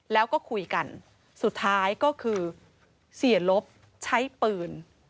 แล้วก็คุยกันสุดท้ายก็คือเสียลบใช้ปืน